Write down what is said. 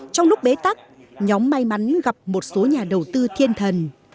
trong lúc bế tắc nhóm may mắn gặp một số nhà đầu tư thiên thần